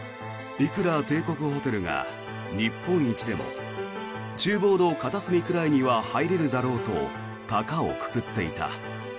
いくら帝国ホテルが日本一でも厨房の片隅くらいには入れるだろうと高をくくっていた。